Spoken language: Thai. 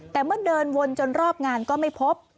แต่เมื่อเดินวนจนรอบงานก็ไม่พบ